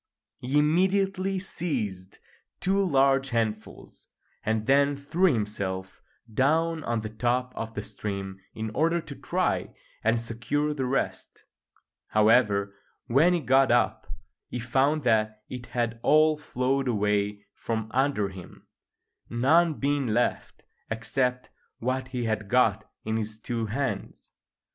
He immediately seized two large handfuls, and then threw himself down on the top of the stream in order to try and secure the rest. However, when he got up he found that it had all flowed away from under him, none being left except what he had got in his two hands.